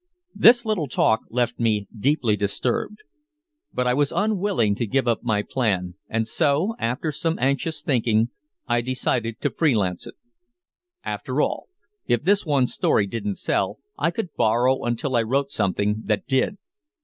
This little talk left me deeply disturbed. But I was unwilling to give up my plan, and so, after some anxious thinking, I decided to free lance it. After all, if this one story didn't sell I could borrow until I wrote something that did.